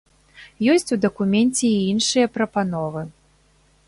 Ёсць у дакуменце і іншыя прапановы.